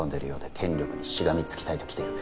権力にしがみつきたいときてる